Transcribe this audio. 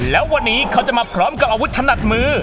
แล้ววันนี้เขาจะมาพร้อมกับอาวุธถนัดมือ